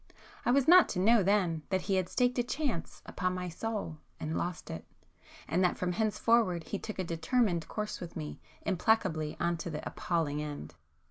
I was not to know then that he had staked a chance upon my soul and lost it,—and that from henceforward he took a [p 295] determined course with me, implacably on to the appalling end.